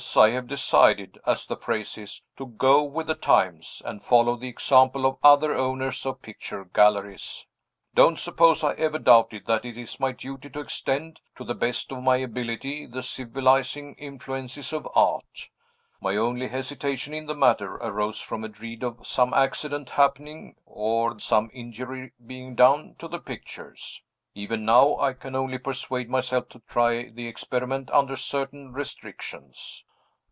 I have decided (as the phrase is) to 'go with the times,' and follow the example of other owners of picture galleries. Don't suppose I ever doubted that it is my duty to extend, to the best of my ability, the civilizing influences of Art. My only hesitation in the matter arose from a dread of some accident happening, or some injury being done, to the pictures. Even now, I can only persuade myself to try the experiment under certain restrictions."